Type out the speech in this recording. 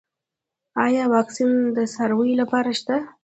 آیا واکسین د څارویو لپاره شته؟